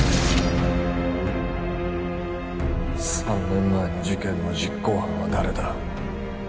３年前の事件の実行犯は誰だ？